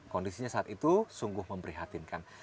kondisinya saat itu sungguh memprihatinkan